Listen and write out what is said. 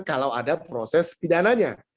kalau ada proses pidananya